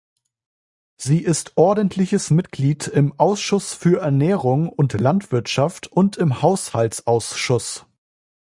Sie ist Ordentliches Mitglied im Ausschuss für Ernährung und Landwirtschaft und im Haushaltsausschuss.